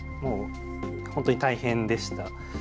本当に大変でした。